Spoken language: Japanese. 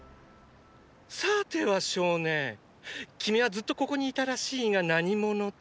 さては少年君はずっとここにいたらしいが何者だ？